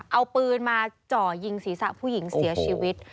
เอาปืนมาจ่อยิงศีรษะผู้หญิงเสียชีวิต